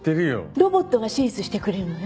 ロボットが手術してくれるのよ。